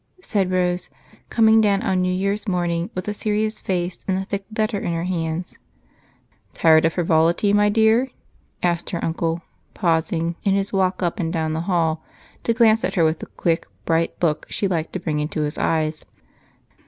said Rose, coming down on New Year's morning with a serious face and a thick letter in her hand. "Tired of frivolity, my dear?" asked her uncle, pausing in his walk up and down the hall to glance at her with a quick, bright look she liked to bring into his eyes.